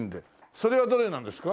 それはどれなんですか？